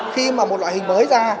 khi mà một loại hình mới ra